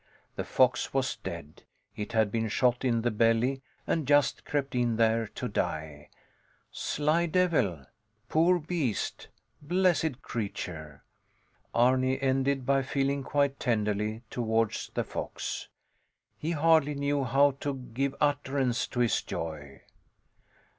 The fox was dead; it had been shot in the belly and just crept in there to die. Sly devil! Poor beast! Blessed creature! Arni ended by feeling quite tenderly towards the fox. He hardly knew how to give utterance to his joy.